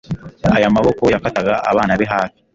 Aya maboko yafataga abana be hafi